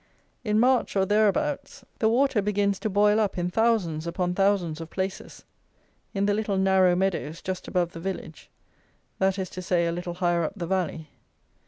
In March, or thereabouts, the water begins to boil up in thousands upon thousands of places, in the little narrow meadows, just above the village; that is to say a little higher up the valley.